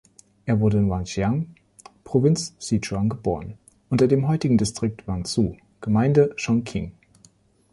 Er wurde in Wanxian, Provinz Sichuan, geboren, dem heutigen Distrikt Wanzhou, Gemeinde Chongqing.